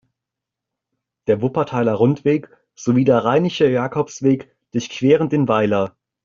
Der Wuppertaler Rundweg, sowie der rheinische Jakobsweg durchqueren den Weiler.